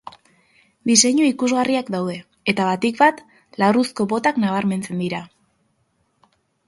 Diseinu ikusgarriak daude eta, batik bat, larruzko botak nabarmentzen dira.